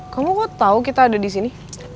kamu kok tahu kita ada di sini